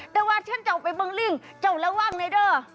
แต่ว่าฉันจะเอาไปเบิ่งริ่งจะเอาละว่างไหนเด้อ